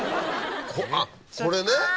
あっこれね。